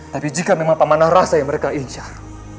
tapi jika memang pamanah rasa yang mereka insyar